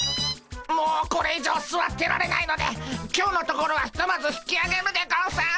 もうこれ以上すわってられないので今日のところはひとまず引きあげるでゴンス！